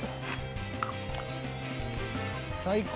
「最高！